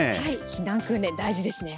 避難訓練、大事ですね。